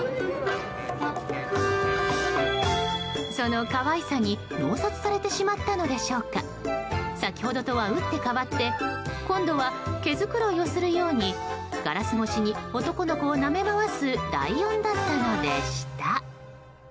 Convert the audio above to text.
その可愛さに悩殺されてしまったのでしょうか先ほどとは打って変わって今度は毛づくろいをするようにガラス越しに男の子をなめ回すライオンだったのでした。